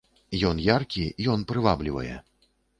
Ён яркі, ён прываблівае.